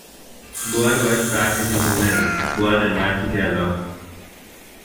Blood rushed back into her limbs, blood and life together.